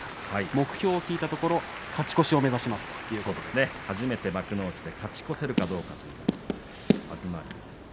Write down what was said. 目標を聞いたところ、勝ち越しを初めて幕内で勝ち越せるかどうか東龍。